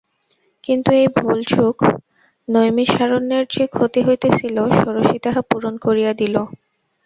কিন্তু, এই ভুলচুক নৈমিষারণ্যের যে ক্ষতি হইতেছিল ষোড়শী তাহা পূরণ করিয়া দিল।